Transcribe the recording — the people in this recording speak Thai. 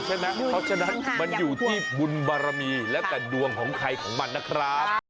เพราะฉะนั้นมันอยู่ที่บุญบารมีแล้วแต่ดวงของใครของมันนะครับ